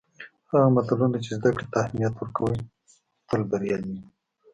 هغه ملتونه چې زدهکړې ته اهمیت ورکوي، تل بریالي وي.